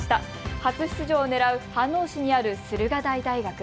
初出場をねらう飯能市にある駿河台大学。